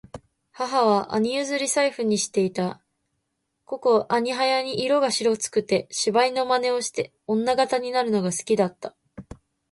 母は兄許り贔負にして居た。此兄はやに色が白くつて、芝居の真似をして女形になるのが好きだつた。